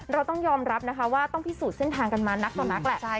เราต้องยอมรับนะคะว่าต้องพิสูจน์เส้นทางกันมานักต่อนักแหละ